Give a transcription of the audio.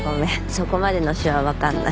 そこまでの手話わかんない。